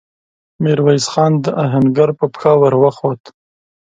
ميرويس خان د آهنګر پر پښه ور وخووت.